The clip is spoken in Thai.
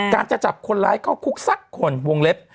จะจับคนร้ายเข้าคุกสักคนวงเล็บ